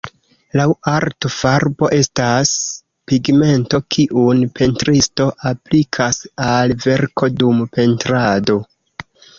Laŭ arto, farbo estas pigmento kiun pentristo aplikas al verko dum pentrado.